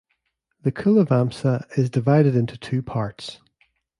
The Culavamsa is divided into two parts.